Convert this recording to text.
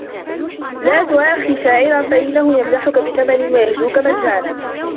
لَا تُؤَاخِ شَاعِرًا فَإِنَّهُ يَمْدَحُك بِثَمَنٍ وَيَهْجُوك مَجَّانًا